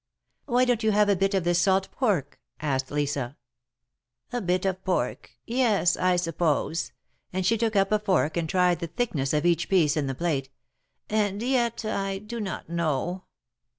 Why don't you have a bit of this salt pork ?" asked Lisa. A bit of pork — ^yes — I suppose "— and she took"up a fork and tried the thickness of each piece in the plate — ^^and yet I do not know."